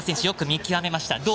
よく見極めました。